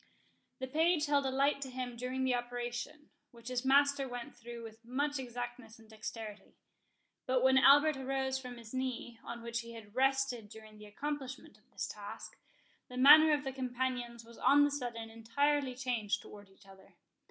The page held a light to him during the operation, which his master went through with much exactness and dexterity. But when Albert arose from his knee, on which he had rested during the accomplishment of this task, the manner of the companions was on the sudden entirely changed towards each other.